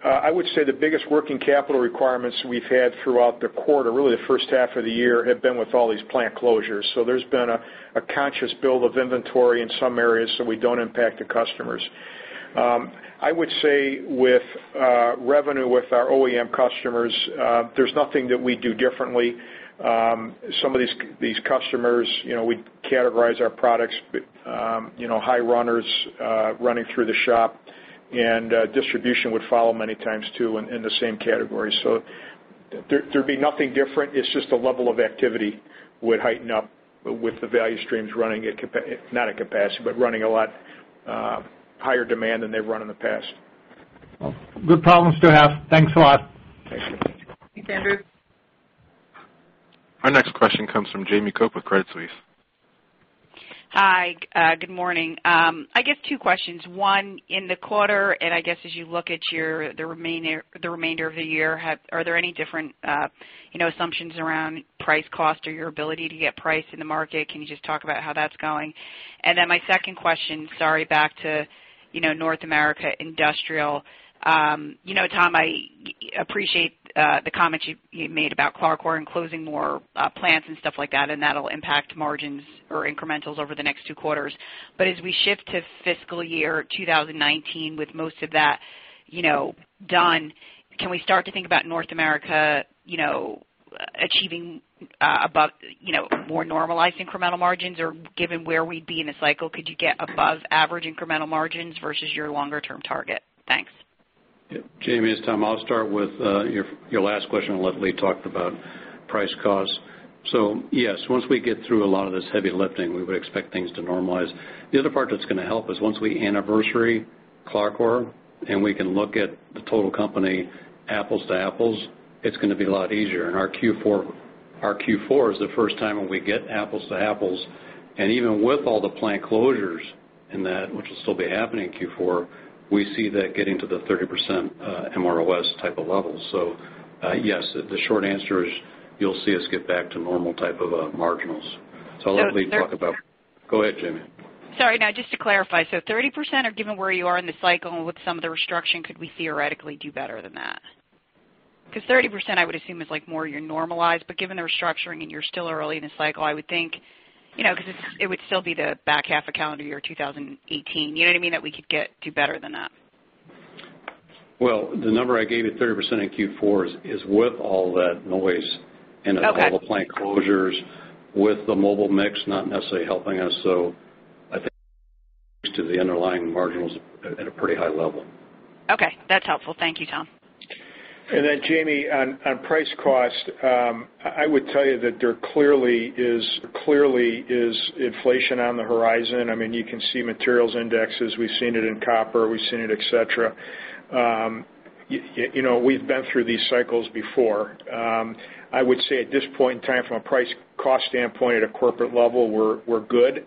I would say the biggest working capital requirements we've had throughout the quarter, really the first half of the year, have been with all these plant closures. There's been a conscious build of inventory in some areas, so we don't impact the customers. I would say with revenue with our OEM customers, there's nothing that we do differently. Some of these customers, we categorize our products, high runners running through the shop, and distribution would follow many times, too, in the same category. There'd be nothing different. It's just the level of activity would heighten up with the value streams running at capacity, not at capacity, but running a lot higher demand than they've run in the past. Good problems to have. Thanks a lot. Thanks. Thanks, Andrew Obin. Our next question comes from Jamie Cook with Credit Suisse. Hi, good morning. I guess two questions. One, in the quarter, I guess as you look at the remainder of the year, are there any different assumptions around price cost or your ability to get price in the market? Can you just talk about how that's going? My second question, sorry, back to North America Industrial. Tom, I appreciate the comments you made about CLARCOR and closing more plants and stuff like that, and that'll impact margins or incrementals over the next two quarters. As we shift to fiscal year 2019 with most of that done, can we start to think about North America achieving above more normalized incremental margins? Given where we'd be in the cycle, could you get above average incremental margins versus your longer-term target? Thanks. Jamie, it's Tom. I'll start with your last question and let Lee talk about price cost. Yes, once we get through a lot of this heavy lifting, we would expect things to normalize. The other part that's going to help is once we anniversary CLARCOR and we can look at the total company apples to apples, it's going to be a lot easier. Our Q4 is the first time when we get apples to apples, and even with all the plant closures in that, which will still be happening in Q4, we see that getting to the 30% MROS type of levels. Yes, the short answer is you'll see us get back to normal type of marginals. I'll let Lee talk about- So thir- Go ahead, Jamie. Sorry. No, just to clarify. 30%, or given where you are in the cycle and with some of the restructuring, could we theoretically do better than that? Because 30%, I would assume, is more your normalized, but given the restructuring and you're still early in the cycle, I would think, because it would still be the back half of calendar year 2018. You know what I mean? That we could do better than that. Well, the number I gave you, 30% in Q4, is with all that noise and- Okay all the plant closures, with the mobile mix not necessarily helping us. I think to the underlying marginals at a pretty high level. Okay, that's helpful. Thank you, Tom. Jamie, on price cost, I would tell you that there clearly is inflation on the horizon. You can see materials indexes. We've seen it in copper, we've seen it et cetera. We've been through these cycles before. I would say at this point in time, from a price cost standpoint at a corporate level, we're good.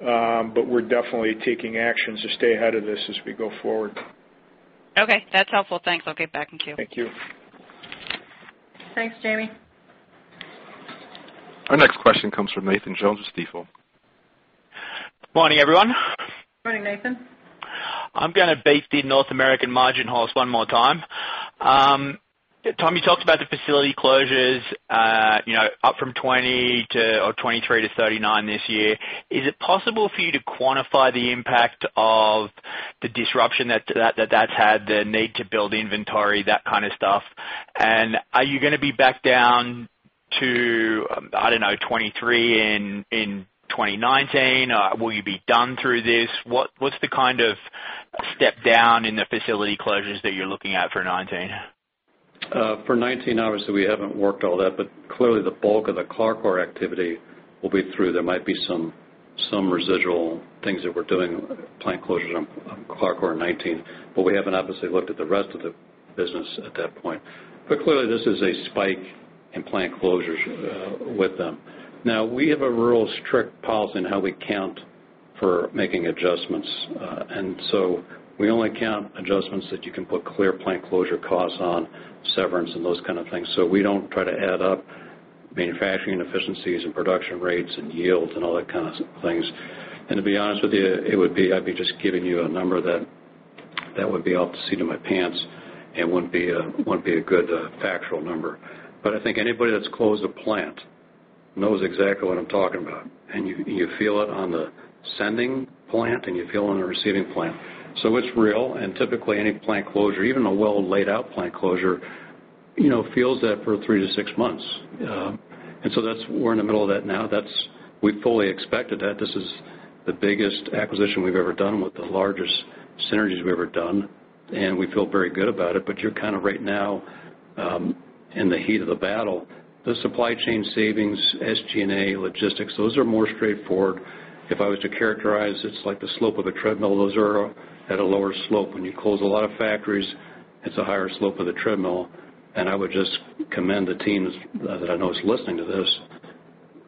We're definitely taking actions to stay ahead of this as we go forward. Okay, that's helpful. Thanks. I'll get back in queue. Thank you. Thanks, Jamie. Our next question comes from Nathan Jones with Stifel. Morning, everyone. Morning, Nathan. I'm going to beat the North American margin horse one more time. Tom, you talked about the facility closures, up from 20 to 23 to 39 this year. Is it possible for you to quantify the impact of the disruption that that's had, the need to build inventory, that kind of stuff? Are you going to be back down to, I don't know, 23 in 2019? Will you be done through this? What's the kind of step down in the facility closures that you're looking at for 2019? For 2019, obviously, we haven't worked all that, clearly the bulk of the CLARCOR activity will be through. There might be some residual things that we're doing, plant closures on CLARCOR in 2019. We haven't obviously looked at the rest of the business at that point. Clearly, this is a spike in plant closures with them. We have a real strict policy on how we count for making adjustments. We only count adjustments that you can put clear plant closure costs on, severance and those kind of things. We don't try to add up manufacturing inefficiencies and production rates and yields and all that kind of things. To be honest with you, I'd be just giving you a number that would be off the seat of my pants and wouldn't be a good factual number. I think anybody that's closed a plant knows exactly what I'm talking about. You feel it on the sending plant, and you feel it on the receiving plant. It's real, and typically any plant closure, even a well-laid-out plant closure, feels that for 3 to 6 months. We're in the middle of that now. We fully expected that. This is the biggest acquisition we've ever done with the largest synergies we've ever done, and we feel very good about it. You're kind of right now in the heat of the battle. The supply chain savings, SG&A, logistics, those are more straightforward. If I was to characterize, it's like the slope of a treadmill. Those are at a lower slope. When you close a lot of factories, it's a higher slope of the treadmill, and I would just commend the teams that I know is listening to this.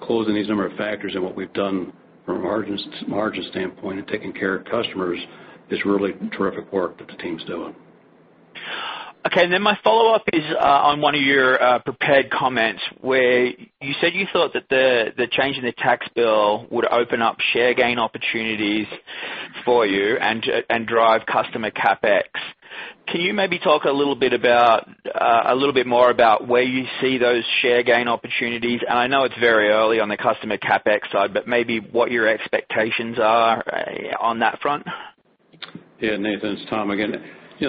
Closing these number of factories and what we've done from a margin standpoint and taking care of customers is really terrific work that the team's doing. Okay, my follow-up is on one of your prepared comments where you said you thought that the change in the tax bill would open up share gain opportunities for you and drive customer CapEx. Can you maybe talk a little bit more about where you see those share gain opportunities? I know it's very early on the customer CapEx side, but maybe what your expectations are on that front? Nathan, it's Tom again. The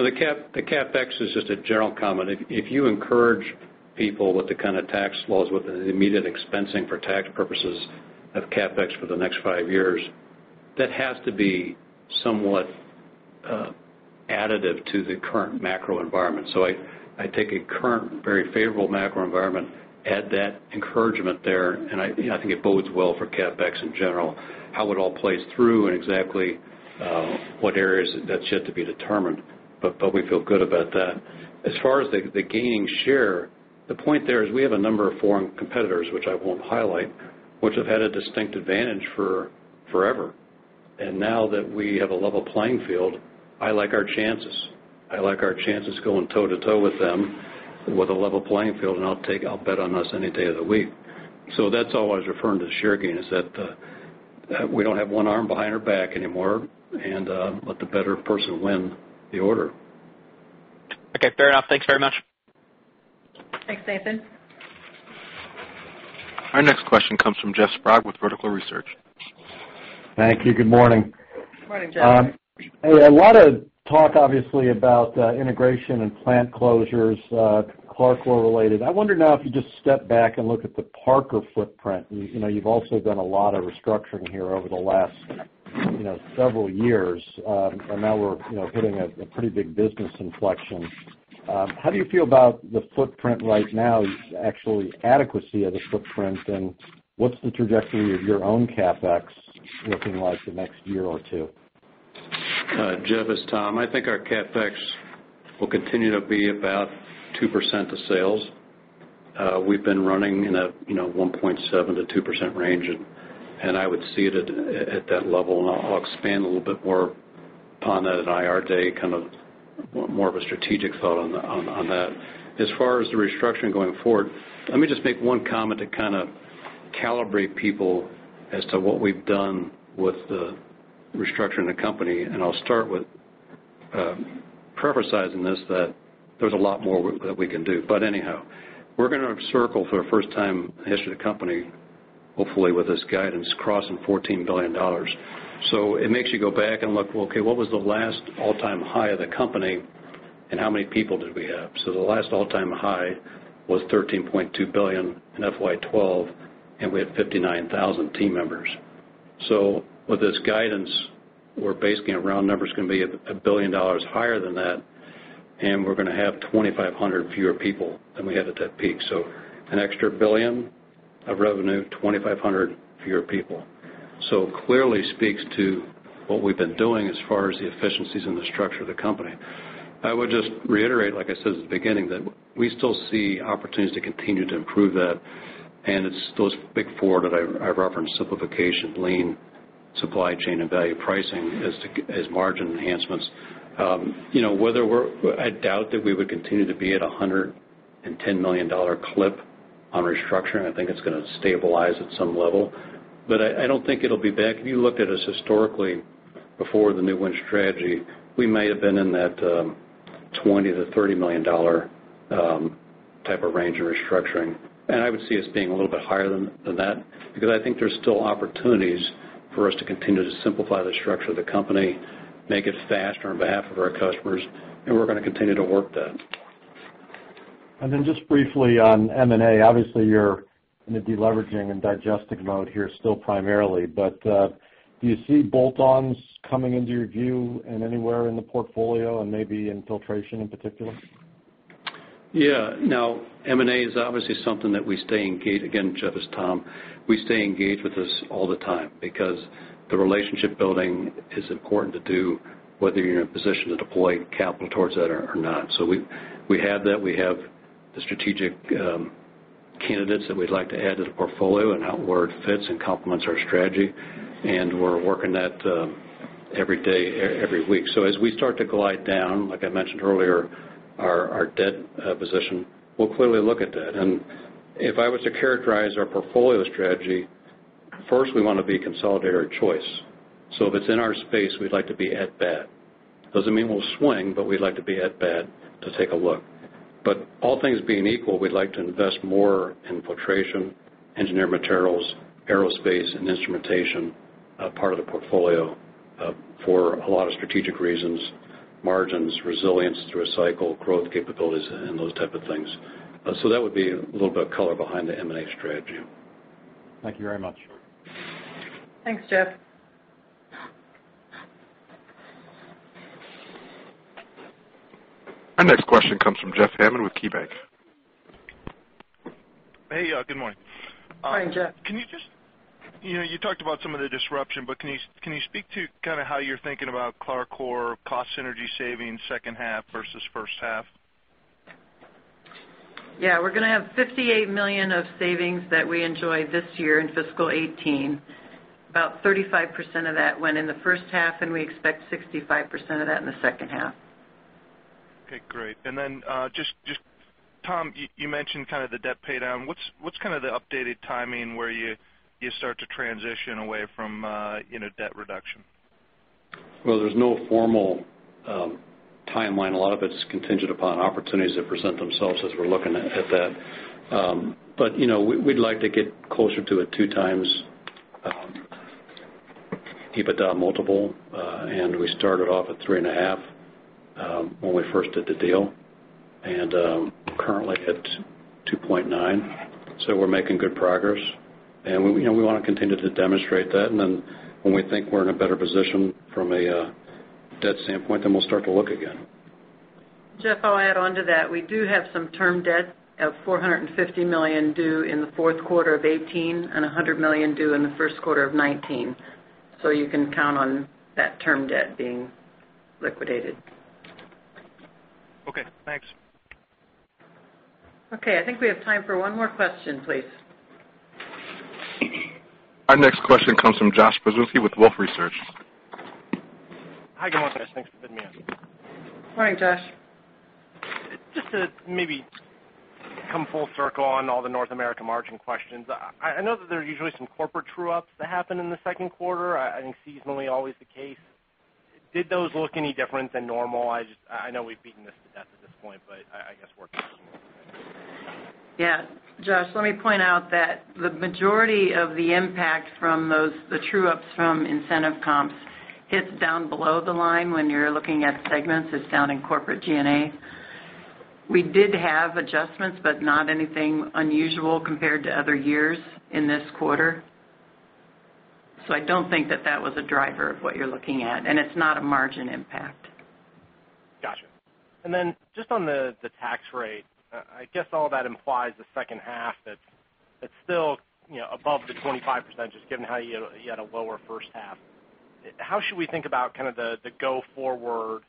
CapEx is just a general comment. If you encourage people with the kind of tax laws with the immediate expensing for tax purposes of CapEx for the next five years, that has to be somewhat additive to the current macro environment. I take a current very favorable macro environment, add that encouragement there, and I think it bodes well for CapEx in general. How it all plays through and exactly what areas, that's yet to be determined. We feel good about that. As far as the gaining share, the point there is we have a number of foreign competitors, which I won't highlight, which have had a distinct advantage forever. Now that we have a level playing field, I like our chances. I like our chances going toe-to-toe with them with a level playing field, I'll bet on us any day of the week. That's all I was referring to share gain, is that we don't have one arm behind our back anymore, let the better person win the order. Okay, fair enough. Thanks very much. Thanks, Nathan. Our next question comes from Jeff Sprague with Vertical Research. Thank you. Good morning. Good morning, Jeff. Hey, a lot of talk, obviously, about integration and plant closures, CLARCOR-related. I wonder now if you just step back and look at the Parker footprint. You've also done a lot of restructuring here over the last several years. Now we're hitting a pretty big business inflection. How do you feel about the footprint right now, actually adequacy of the footprint, and what's the trajectory of your own CapEx looking like the next year or two? Jeff, it's Tom. I think our CapEx will continue to be about 2% of sales. We've been running in a 1.7%-2% range, I would see it at that level, and I'll expand a little bit more upon that at IR day, kind of more of a strategic thought on that. As far as the restructuring going forward, let me just make one comment to kind of calibrate people as to what we've done with the restructuring the company. I'll start with prefacing this that there's a lot more that we can do. Anyhow, we're going to circle for the first time in the history of the company, hopefully with this guidance crossing $14 billion. It makes you go back and look, okay, what was the last all-time high of the company, and how many people did we have? The last all-time high was $13.2 billion in FY 2012, and we had 59,000 team members. With this guidance, we're basically at round numbers going to be $1 billion higher than that, and we're going to have 2,500 fewer people than we had at that peak. An extra $1 billion of revenue, 2,500 fewer people. Clearly speaks to what we've been doing as far as the efficiencies and the structure of the company. I would just reiterate, like I said at the beginning, that we still see opportunities to continue to improve that, and it's those big four that I referenced, simplification, lean supply chain and value pricing as margin enhancements. I doubt that we would continue to be at $110 million clip on restructuring. I think it's going to stabilize at some level. I don't think it'll be back. If you looked at us historically, before the new Win Strategy, we might have been in that $20 million-$30 million type of range of restructuring, I would see us being a little bit higher than that, because I think there's still opportunities for us to continue to simplify the structure of the company, make it faster on behalf of our customers, we're going to continue to work that. Just briefly on M&A, obviously you're in a de-leveraging and digesting mode here still primarily, do you see bolt-ons coming into your view anywhere in the portfolio and maybe in filtration in particular? Yeah. M&A is obviously something that we stay engaged. Again, Jeff, as Tom, we stay engaged with this all the time because the relationship building is important to do whether you're in a position to deploy capital towards that or not. We have that. We have the strategic candidates that we'd like to add to the portfolio and how it fits and complements our strategy, and we're working that every day, every week. As we start to glide down, like I mentioned earlier, our debt position, we'll clearly look at that. If I was to characterize our portfolio strategy, first, we want to be consolidator of choice. If it's in our space, we'd like to be at bat. Doesn't mean we'll swing, but we'd like to be at bat to take a look. All things being equal, we'd like to invest more in filtration, engineered materials, aerospace, and instrumentation part of the portfolio for a lot of strategic reasons, margins, resilience through a cycle, growth capabilities, and those type of things. That would be a little bit of color behind the M&A strategy. Thank you very much. Thanks, Jeff. Our next question comes from Jeff Hammond with KeyBanc. Hey. Good morning. Hi, Jeff. You talked about some of the disruption, but can you speak to how you're thinking about CLARCOR cost synergy savings second half versus first half? Yeah. We're going to have $58 million of savings that we enjoy this year in fiscal 2018. About 35% of that went in the first half, We expect 65% of that in the second half. Okay, great. Then just, Tom, you mentioned the debt pay down. What's the updated timing where you start to transition away from debt reduction? Well, there's no formal timeline. A lot of it is contingent upon opportunities that present themselves as we're looking at that. We'd like to get closer to a 2x EBITDA multiple. We started off at 3.5x when we first did the deal, and currently at 2.9. We're making good progress, and we want to continue to demonstrate that. Then when we think we're in a better position from a debt standpoint, We'll start to look again. Jeff, I'll add onto that. We do have some term debt of $450 million due in the fourth quarter of 2018 and $100 million due in the first quarter of 2019. You can count on that term debt being liquidated. Okay, thanks. Okay, I think we have time for one more question, please. Our next question comes from Josh Pokrzywinski with Wolfe Research. Hi, good morning. Thanks for fitting me in. Morning, Josh. Just to maybe come full circle on all the North America margin questions. I know that there are usually some corporate true-ups that happen in the second quarter, I think seasonally always the case. Did those look any different than normal? I know we've beaten this to death at this point. Yeah. Josh, let me point out that the majority of the impact from the true-ups from incentive comps hits down below the line when you're looking at segments. It's down in corporate G&A. We did have adjustments, but not anything unusual compared to other years in this quarter. I don't think that that was a driver of what you're looking at, and it's not a margin impact. Got you. Just on the tax rate, I guess all that implies the second half that's still above the 25%, just given how you had a lower first half. How should we think about the go forward,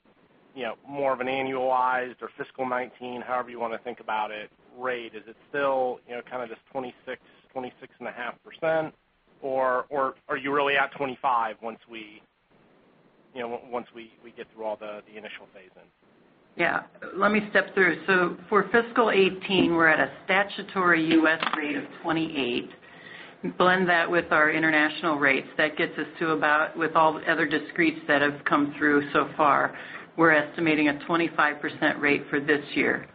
more of an annualized or fiscal 2019, however you want to think about it, rate? Is it still just 26.5%, or are you really at 25% once we get through all the initial phase-ins? Yeah. Let me step through. For fiscal 2018, we're at a statutory U.S. rate of 28%. Blend that with our international rates, that gets us to about, with all the other discretes that have come through so far, we're estimating a 25% rate for this year.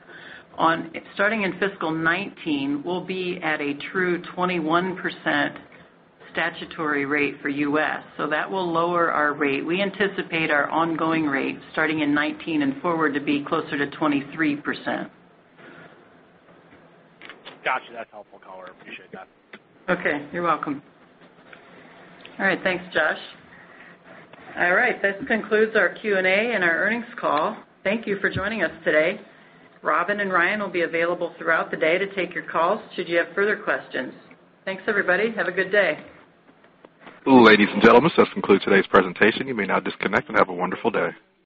Starting in fiscal 2019, we'll be at a true 21% statutory rate for U.S., that will lower our rate. We anticipate our ongoing rate starting in 2019 and forward to be closer to 23%. Got you. That's a helpful color. Appreciate that. Okay. You're welcome. All right. Thanks, Josh. All right. This concludes our Q&A and our earnings call. Thank you for joining us today. Robin and Ryan will be available throughout the day to take your calls should you have further questions. Thanks, everybody. Have a good day. Ladies and gentlemen, this concludes today's presentation. You may now disconnect. Have a wonderful day.